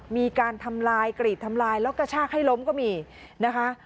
มีการทำลายกรีดทำลายแล้วกระชากให้ล้มก็มีนะคะ